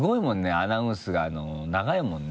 アナウンスが長いもんね。